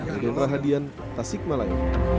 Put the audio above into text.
dengan perhadian tasik malay